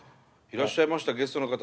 いらっしゃいましたゲストの方。